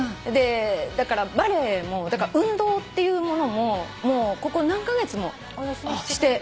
だからバレエも運動っていうものももうここ何カ月もしてないのね。